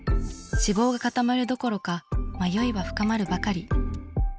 志望が固まるどころか迷いは深まるばかり。